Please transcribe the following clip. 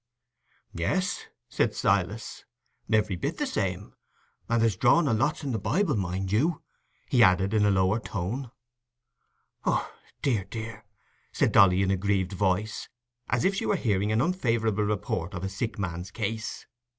"Yes," said Silas, "every bit the same; and there's drawing o' lots in the Bible, mind you," he added in a lower tone. "Oh, dear, dear," said Dolly in a grieved voice, as if she were hearing an unfavourable report of a sick man's case.